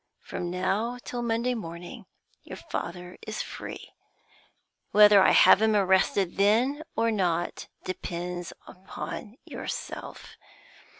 From now till Monday morning your father is free. Whether I have him arrested then or not depends upon yourself.